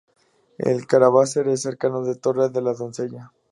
El caravasar es cercano a la Torre de la Doncella.